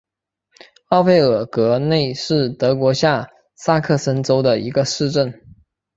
奥费尔格内是德国下萨克森州的一个市镇。